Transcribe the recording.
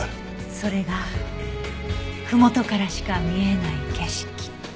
それがふもとからしか見えない景色。